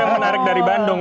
menarik dari bandung